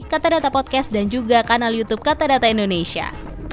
katadata podcast dan juga kanal youtube katadata indonesia